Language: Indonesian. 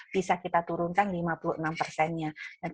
bisa kita turunkan lima puluh enam persennya